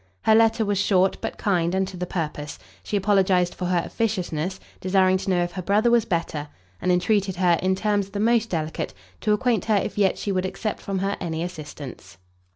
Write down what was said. Her letter was short, but kind and to the purpose: she apologized for her officiousness, desiring to know if her brother was better, and entreated her, in terms the most delicate, to acquaint her if yet she would accept from her any assistance.